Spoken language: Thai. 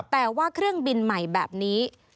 แต่ว่าเครื่องบินใหม่แบบนี้